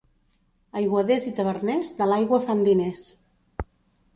Aiguaders i taverners de l'aigua fan diners.